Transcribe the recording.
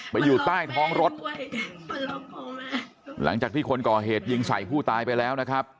อยู่ใต้ท้องรถหลังจากที่คนก่อเหตุยิงใส่ผู้ตายไปแล้วนะครับ